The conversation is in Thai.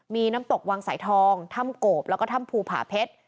มีน้ำตกวังสายทองถ้ำโกบแล้วก็ถ้ำภูผาเพชร